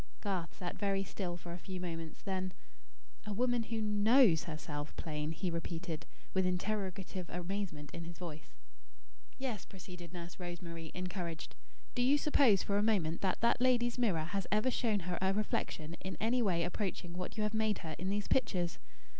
Garth sat very still for a few moments. Then: "A woman who knows herself plain?" he repeated, with interrogative amazement in his voice. "Yes," proceeded Nurse Rosemary, encouraged. "Do you suppose, for a moment, that that lady's mirror has ever shown her a reflection in any way approaching what you have made her in these pictures?